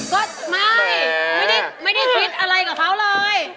ก็ไม่ไม่ได้คิดอะไรกับเขาเลย